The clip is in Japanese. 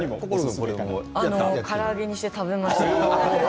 から揚げにして食べました。